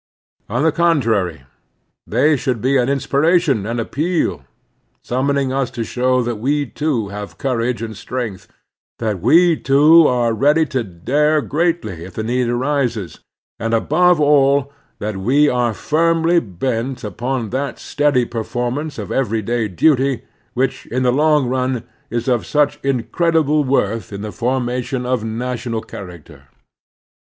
On the contrary, they should be an inspiration and appeal, summoning us to show that we too have courage and strength; that we too are ready to dare greatly if the need arises ; and, above all, that we are firmly bent upon that steady performance of everyday duty which, in the long run, is of such incredible worth in the formation of national character.